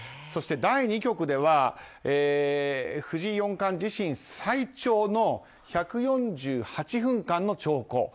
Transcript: そして、第２局では藤井四冠自身最長の１４８分間の長考。